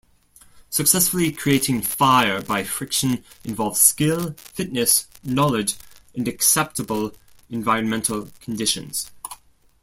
Successfully creating fire by friction involves skill, fitness, knowledge, and acceptable environmental conditions.